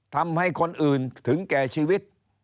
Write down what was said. ทำให้คนอื่นถึงแก่ชีวิต